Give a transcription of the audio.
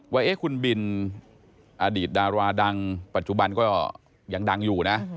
ว่าคุณบินอดีตดาราดังปัจจุบันก็ยังดังอยู่นะ